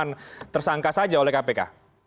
penetapan tersangka saja oleh kpk